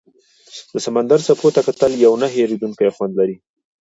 د سمندر څپو ته کتل یو نه هېریدونکی خوند لري.